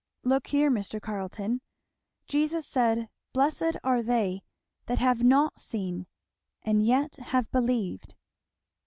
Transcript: "Look here, Mr. Carleton, Jesus said, 'Blessed are they that have not seen and yet have believed.'"